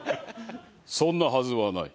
そんなはずはない。